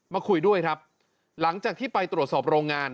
คุยด้วยครับหลังจากที่ไปตรวจสอบโรงงาน